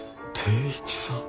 定一さん。